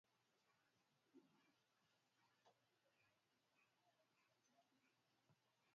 Hali inayopelekea wasichana wengi kutokuwa na famila